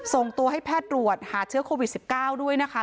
ส่งตัวให้แพทย์ตรวจหาเชื้อโควิด๑๙ด้วยนะคะ